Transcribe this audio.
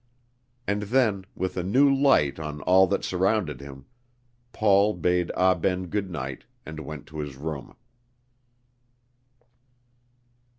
And then, with a new light on all that surrounded him, Paul bade Ah Ben good night, and went to his room.